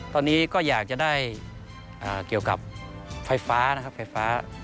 ตอนนี้ก็อยากจะได้เกี่ยวกับไฟฟ้านะครับไฟฟ้า